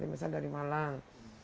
misalnya dari malang